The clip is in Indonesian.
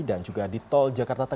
dan juga di tol jakarta tangerang